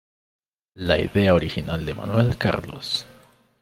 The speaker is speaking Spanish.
La idea original de Manoel Carlos.